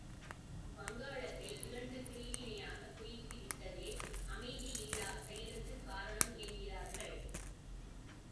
வங்காளத்தை இரண்டு பிரிவினையாகப் பிரித்துவிட்டதே அமைதியில்லாச் செயலுக்குக் காரணம் என்கிறார்கள்.